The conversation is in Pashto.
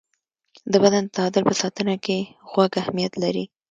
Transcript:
د بدن د تعادل په ساتنه کې غوږ اهمیت لري.